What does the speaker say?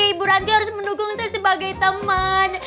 ibu ranti harus mendukung saya sebagai teman